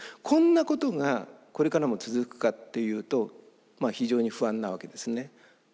こんなことがこれからも続くかっていうと非常に不安なわけですね。